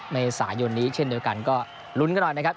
เมษายนนี้เช่นเดียวกันก็ลุ้นกันหน่อยนะครับ